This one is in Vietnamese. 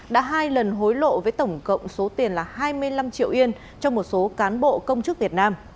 đã hai lần hối lộ với tổng cộng số tiền là hai mươi năm triệu yên cho một số cán bộ công chức việt nam